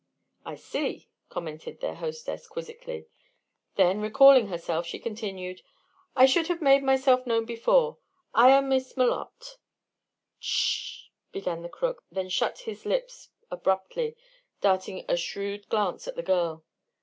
"I see," commented their hostess, quizzically; then recalling herself, she continued: "I should have made myself known before; I am Miss Malotte." "Ch " began the crook, then shut his lips abruptly, darting a shrewd glance at the girl.